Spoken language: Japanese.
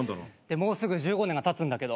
もうすぐ１５年がたつんだけど。